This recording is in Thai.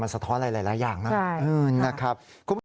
มันสะท้อนหลายหลายหลายอย่างนะใช่นะครับ